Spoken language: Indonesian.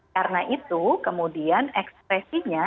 karena itu kemudian ekspresinya